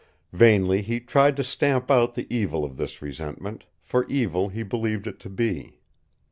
Vainly he tried to stamp out the evil of this resentment, for evil he believed it to be.